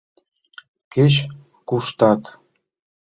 Кеч-куштат.